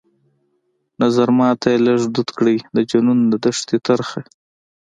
نظرمات ته يې لږ دود کړى د جنون د دښتي ترخه